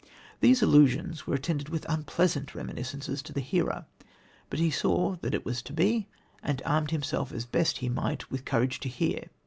These allusions were attended with unpleasant reminiscences to the hearer but he saw that it was to be, and armed himself as best he might with courage to hear.